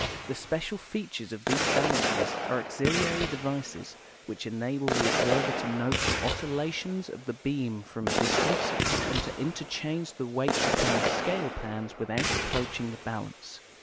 The special features of these balances are auxiliary devices which enable the observer to note the oscillations of the beam from a distance and to inter change the weights uiion the scale pans without approaching the balance.